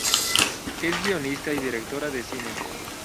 Es guionista y directora de cine.